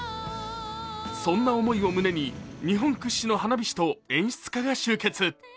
そんな思いを胸に日本屈指の花火師と演出家が集結。